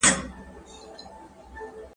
يو ساعت څلور پاوه کیږي.